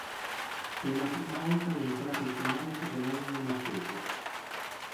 Per la prima volta le entrate ottomane superarono le spese.